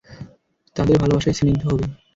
তাদের ভালবাসায় স্নিগ্ধ হবি।